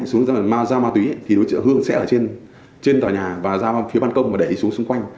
chạy xuống xung quanh